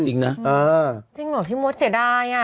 จริงหรอพี่มดเสียดายอ่ะ